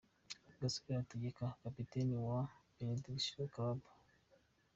Gasore Hategeka Kapiteni wa Benediction Club.